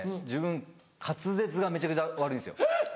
自分滑舌がめちゃくちゃ悪いんですよ。